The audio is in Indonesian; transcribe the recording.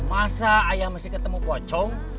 masa ayah mesti ketemu pocong